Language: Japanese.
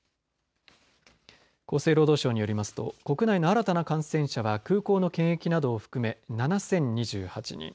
厚生労働省によりますと国内の新たな感染者は空港の検疫などを含め７０２８人。